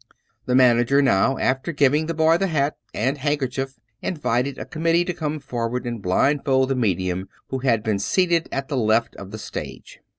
The manager now, after giving the boy the hat and handkerchief, invited a committee to come forward and blindfold the medium who had been seated at the left of the stage.